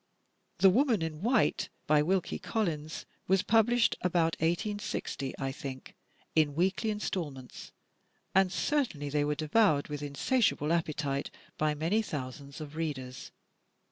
" *The Woman in White,' by Wilkie Collins, was pub lished about i860, I think, in weekly installments, and cer tainly they were devoured with insatiable appetite by many thousands of readers.